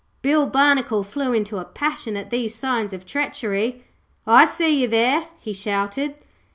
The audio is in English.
Bill Barnacle flew into a passion at these signs of treachery. 'I see you there,' he shouted.